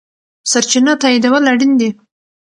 سرچینه تاییدول اړین دي.